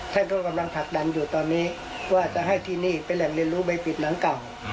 ท่านก็กำลังผลักดันอยู่ตอนนี้ว่าจะให้ที่นี่เป็นแหล่งเรียนรู้ใบปิดหนังเก่า